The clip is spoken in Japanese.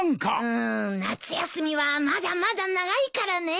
うん夏休みはまだまだ長いからね。